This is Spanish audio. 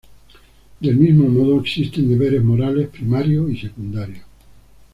Del mismo modo, existen deberes morales primarios y secundarios.